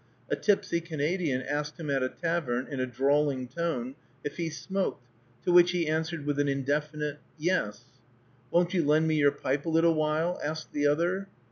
A tipsy Canadian asked him at a tavern, in a drawling tone, if he smoked, to which he answered with an indefinite "Yes." "Won't you lend me your pipe a little while?" asked the other.